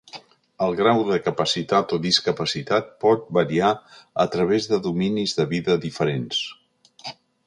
El grau de capacitat o discapacitat pot variar a través de dominis de vida diferents.